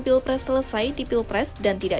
pilpres selesai di pilpres dan tidak